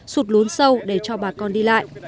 sụt lốn sâu để cho bà con đi lại